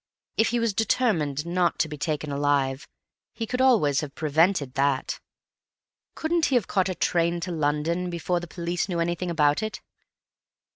If he was determined not to be taken alive, he could always have prevented that. Couldn't he have caught a train to London before the police knew anything about it?"